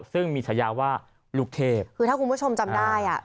ซึ่งมีฉายาว่าลูกเทพคือถ้าคุณผู้ชมจำได้อ่ะ